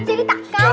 jadi tak kagum